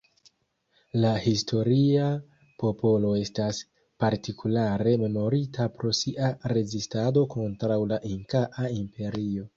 La historia popolo estas partikulare memorita pro sia rezistado kontraŭ la Inkaa Imperio.